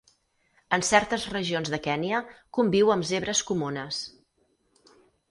En certes regions de Kenya conviu amb zebres comunes.